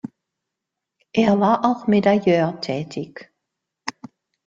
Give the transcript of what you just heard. Er war auch Medailleur tätig.